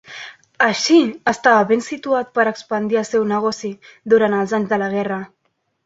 Així, estava ben situat per expandir el seu negoci durant els anys de la guerra.